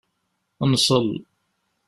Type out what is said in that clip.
Nṣel.